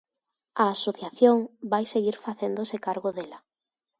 A asociación vai seguir facéndose cargo dela.